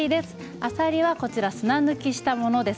あさりがこちら砂抜きをしたものです。